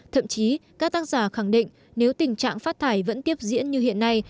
thậm chí các tác giả khẳng định nếu tình trạng phát thải vẫn tiếp diễn như hiện nay